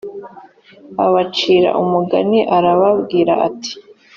abacira umugani arababwira ati